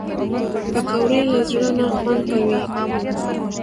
پکورې له زړه نه خوند کوي